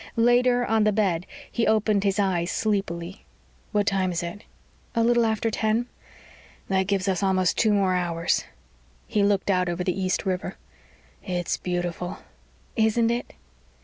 Later, on the bed, he opened his eyes sleepily. "What time is it?" "A little after ten." "That gives us almost two more hours." He looked out over the East River. "It's beautiful." "Isn't it?"